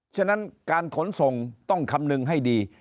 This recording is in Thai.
ฉะนั้นการขนส่งต้องคำนึงให้ดี